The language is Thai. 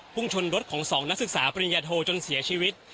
ชนรถของ๒นักศึกษาปริญญาโทจนเสียชีวิต